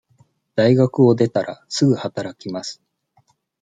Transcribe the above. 大学を出たら、すぐ働きます。